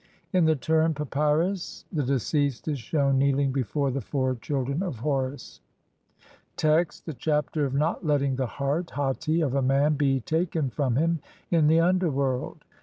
In the Turin Papyrus (Lepsius, Todtenbuch, Bl. 15) the deceased is shewn kneeling before the four children of Horus. Text : (1) The Chapter of not letting the heart (hati) OF A MAN BE TAKEN FROM HIM IN THE UNDERWORLD.